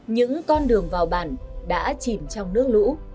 những con đường vào bản đã chìm trong nước lũ